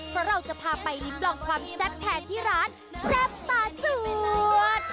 เพราะเราจะพาไปลิ้มลองความแซ่บแทนที่ร้านแซ่บปลาชวด